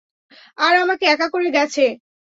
আর আমাকে একা করে গেছে।